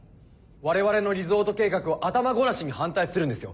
我々のリゾート計画を頭ごなしに反対するんですよ。